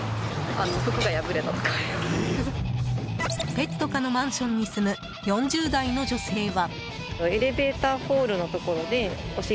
ペット可のマンションに住む４０代の女性は。